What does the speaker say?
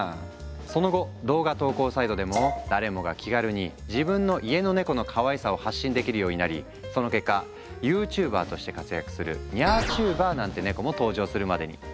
その後動画投稿サイトでも誰もが気軽に自分の家のネコのかわいさを発信できるようになりその結果ユーチューバーとして活躍する「ニャーチューバー」なんてネコも登場するまでに。